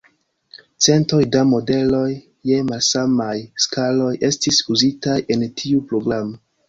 Centoj da modeloj je malsamaj skaloj estis uzitaj en tiu programo.